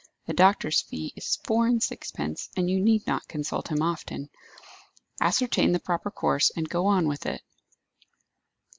The doctor's fee is four and sixpence, and you need not consult him often. Ascertain the proper course, and go on with it."